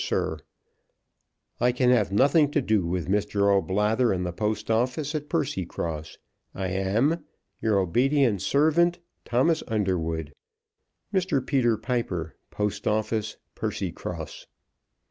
SIR, I can have nothing to do with Mr. O'Blather and the post office at Percycross. I am, Your obedient servant, THOMAS UNDERWOOD. MR. PETER PIPER, Post office, Percycross.